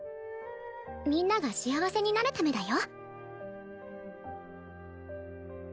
みんなが幸せになるためだよ